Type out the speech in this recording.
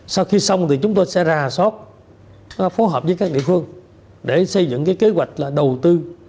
sau khi xong thì chúng tôi sẽ ra sót nó phối hợp với các địa phương để xây dựng cái kế hoạch là đầu tư